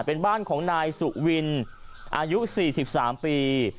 เป็นบ้านของนายสุวินอายุ๔๓ปี